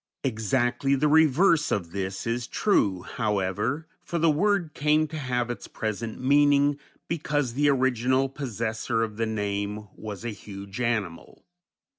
Exactly the reverse of this is true, however, for the word came to have its present meaning because the original possessor of the name was a huge animal.